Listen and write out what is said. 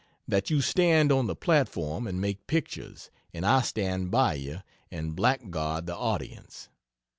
that you stand on the platform and make pictures, and I stand by you and blackguard the audience.